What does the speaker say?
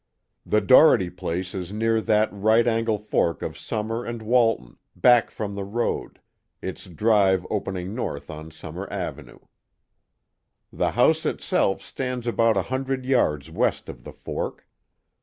The Doherty place is near that right angle fork of Summer and Walton, back from the road, its drive opening north on Summer Avenue. The house itself stands about a hundred yards west of the fork.